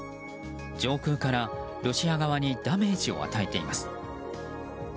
上空から、ロシア側にダメージを与えています。